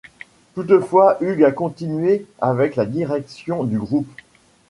Toutefois, Hughes a continué avec la direction du groupe.